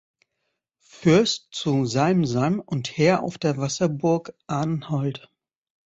Fürst zu Salm-Salm und Herr auf der Wasserburg Anholt.